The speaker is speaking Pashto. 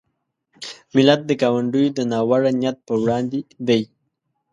ملت د ګاونډیو د ناوړه نیت په وړاندې دی.